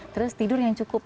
terus tidur yang cukup